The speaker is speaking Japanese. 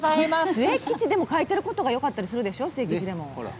末吉でも書いてることがよかったりするでしょうね。